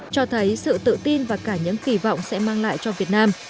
cho thấy sự tự tin và cả những kỳ vọng sẽ mang lại cho việt nam